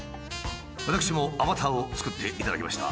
私もアバターを作っていただきました。